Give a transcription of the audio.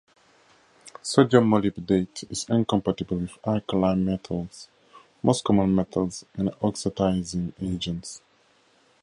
Sodium molybdate is incompatible with alkali metals, most common metals and oxidizing agents.